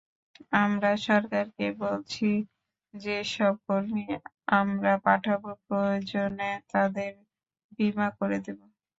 আমরা সরকারকে বলেছি, যেসব কর্মী আমরা পাঠাব, প্রয়োজনে তাঁদের বিমা করে দেব।